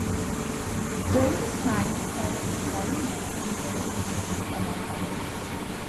During this time he played with Shelly Manne and Billy Higgins, among others.